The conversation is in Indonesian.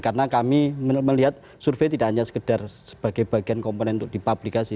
karena kami melihat survei tidak hanya sekedar sebagai bagian komponen untuk dipublikasi